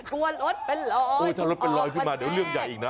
กลัวรถเป็นรอยโอ้ถ้ารถเป็นลอยขึ้นมาเดี๋ยวเรื่องใหญ่อีกนะ